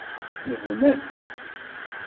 Nebna-tt.